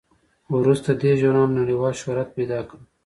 وروسته دې ژورنال نړیوال شهرت پیدا کړ.